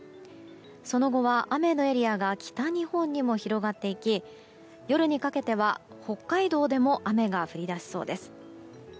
その後は、雨のエリアが北日本にも広がっていき夜にかけては、北海道でも雨が降り出しそうです。